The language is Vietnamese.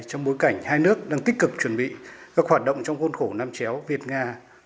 trong bối cảnh hai nước đang tích cực chuẩn bị các hoạt động trong khuôn khổ nam chéo việt nga